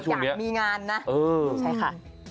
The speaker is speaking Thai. ใช่ค่ะ